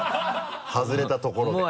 外れたところで。